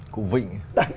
cụ vịnh ấy